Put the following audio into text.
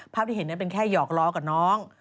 ภาพที่เห็นเป็นแค่หยอกล้อกับน้อง